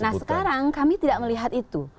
nah sekarang kami tidak melihat itu